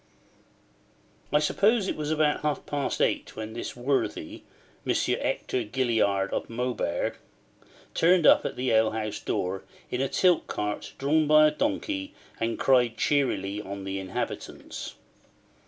I suppose it was about half past eight when this worthy, Monsieur Hector Gilliard of Maubeuge, turned up at the ale house door in a tilt cart drawn by a donkey, and cried cheerily on the inhabitants.